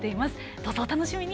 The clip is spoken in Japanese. どうぞお楽しみに。